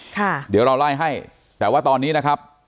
ค่ะเดี๋ยวเราไล่ให้แต่ว่าตอนนี้นะครับ